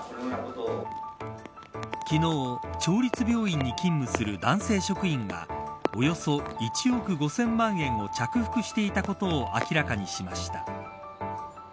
昨日、町立病院に勤務する男性職員がおよそ１億５０００万円を着服していたことを明らかにしました。